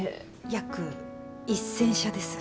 約１，０００社です。